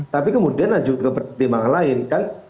tapi kemudian ada juga pertimbangan lain kan